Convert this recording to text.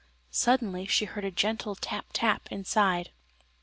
Suddenly, she heard a gentle tap tap inside.